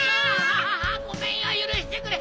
あごめんよゆるしてくれ。